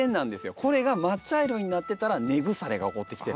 これが真っ茶色になってたら根腐れが起こってきてる。